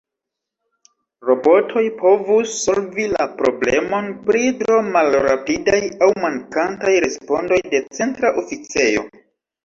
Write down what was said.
Robotoj povus solvi la problemon pri tro malrapidaj aŭ mankantaj respondoj de Centra Oficejo.